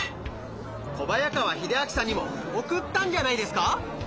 小早川秀秋さんにも送ったんじゃないですか？